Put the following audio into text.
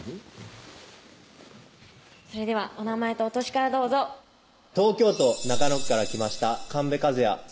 それではお名前とお歳からどうぞ東京都中野区から来ました神戸和也